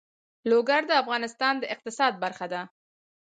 لوگر د افغانستان د اقتصاد برخه ده.